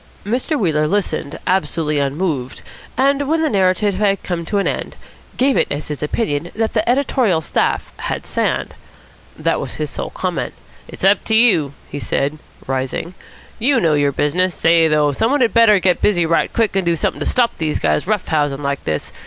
Mr. Wheeler listened absolutely unmoved, and, when the narrative had come to an end, gave it as his opinion that the editorial staff had sand. That was his sole comment. "It's up to you," he said, rising. "You know your business. Say, though, some one had better get busy right quick and do something to stop these guys rough housing like this.